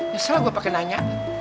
misalnya gue pake nanya